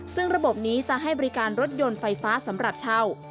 ซึ่งระบบนี้จะให้บริการรถยนต์ไฟฟ้าสำหรับเช่า